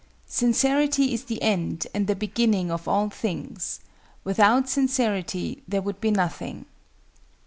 "Sincerity is the end and the beginning of all things; without Sincerity there would be nothing."